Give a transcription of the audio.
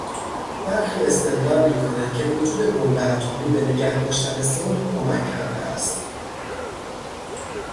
برخی استدلال میکنند که وجود بمب اتمی به نگهداشتن صلح کمک کرده است.